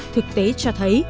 thực tế cho thấy